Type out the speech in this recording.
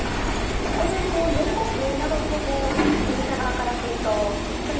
ここでこう４五桂などと振り飛車側からするとそういうふうに攻めていきたいと。